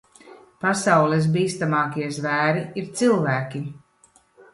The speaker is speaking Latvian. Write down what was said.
Pasaules bīstamākie zvēri ir cilvēki.